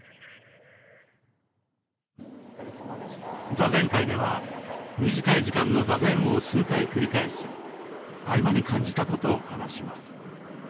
座禅会では短い時間の座禅を数回繰り返し合間に感じたことを話します。